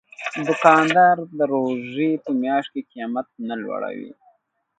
دوکاندار د روژې په میاشت کې قیمت نه لوړوي.